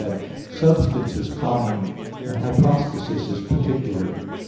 iii, 6) that "substance is common and hypostasis is particular."